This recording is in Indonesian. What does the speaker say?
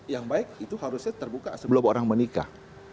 yang baik itu harusnya terbuka sebelum orang menikah